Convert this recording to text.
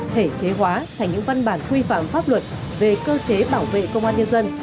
thể chế hóa thành những văn bản quy phạm pháp luật về cơ chế bảo vệ công an nhân dân